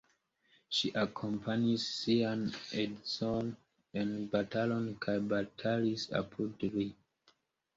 Ŝi akompanis sian edzon en batalon kaj batalis apud li.